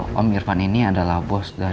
foresee cat rasanya dalam ist badang